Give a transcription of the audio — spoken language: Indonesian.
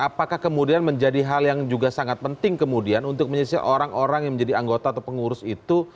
apakah kemudian menjadi hal yang juga sangat penting kemudian untuk menyisir orang orang yang menjadi anggota atau pengurus itu